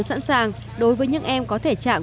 sẵn sàng đối với những em có thể chạm